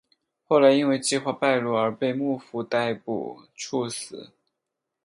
后来因为计划败露而被幕府逮捕处死。